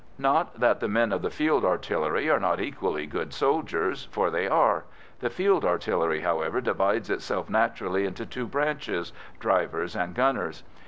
Not that the men of the Field Artillery are not equally good soldiers, for they are. The Field Artillery, however, divides itself naturally into two branches, drivers and gunners.